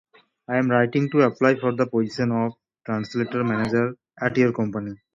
I am writing to apply for the position of Translator-Manager at your company.